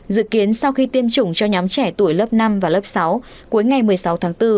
dự kiến sau khi tiêm chủng cho nhóm trẻ tuổi lớp năm và lớp sáu cuối ngày một mươi sáu tháng bốn